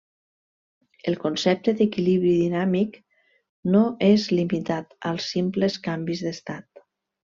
El concepte d'equilibri dinàmic no és limitat als simples canvis d'estat.